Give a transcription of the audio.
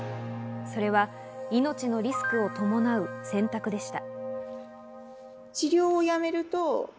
それは命のリスクを伴う選択でした。